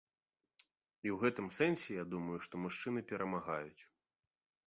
І ў гэтым сэнсе, я думаю, што мужчыны перамагаюць.